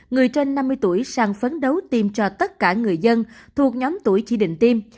người trên năm mươi tuổi sang phấn đấu tiêm cho tất cả người dân thuộc nhóm tuổi chỉ định tiêm